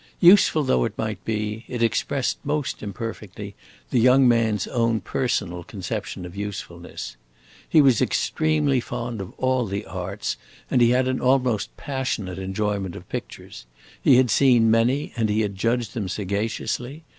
Useful though it might be, it expressed most imperfectly the young man's own personal conception of usefulness. He was extremely fond of all the arts, and he had an almost passionate enjoyment of pictures. He had seen many, and he judged them sagaciously.